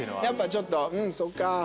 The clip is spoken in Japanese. やっぱちょっと「うんそっか。